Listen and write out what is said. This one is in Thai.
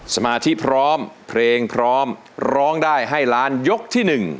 สมาธิพร้อมเพลงพร้อมร้องได้ให้ล้านยกที่๑